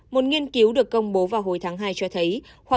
một nghiên cứu được công bố vào hồi tháng hai cho thấy